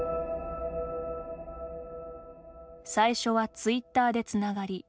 最初はツイッターでつながり